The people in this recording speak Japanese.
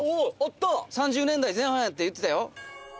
「３０年代前半やって言ってたよ」